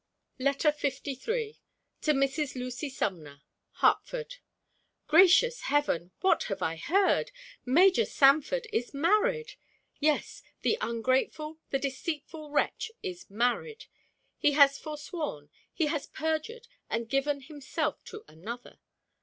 LETTER LIII. TO MRS. LUCY SUMNER. HARTFORD. Gracious Heaven! What have I heard? Major Sanford is married! Yes; the ungrateful, the deceitful wretch is married. He has forsworn, he has perjured and given himself to another.